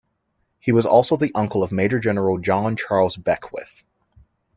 He was also the uncle of Major-General John Charles Beckwith.